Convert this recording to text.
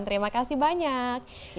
terima kasih banyak